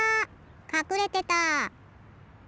かくれてた！